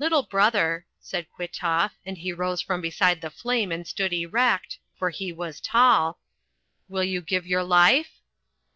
"Little brother," said Kwitoff, and he rose from beside the flame and stood erect, for he was tall, "will you give your life?"